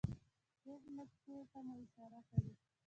ښې نکتې ته مو اشاره کړې